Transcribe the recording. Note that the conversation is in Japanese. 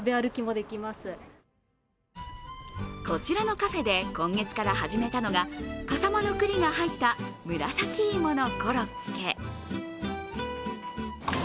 こちらのカフェで今月から始めたのが笠間の栗が入った紫芋のコロッケ。